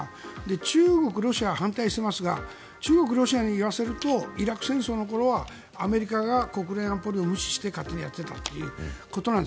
中国、ロシアは反対していますが中国、ロシアに言わせるとイラク戦争の頃はアメリカが国連安保理を無視して勝手にやっていたということなんです。